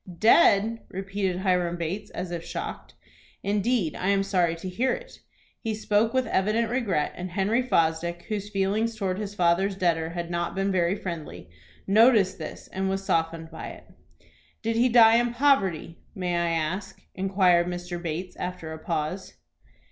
"Dead!" repeated Hiram Bates, as if shocked. "Indeed, I am sorry to hear it." He spoke with evident regret, and Henry Fosdick, whose feelings towards his father's debtor had not been very friendly, noticed this, and was softened by it. "Did he die in poverty, may I ask?" inquired Mr. Bates, after a pause.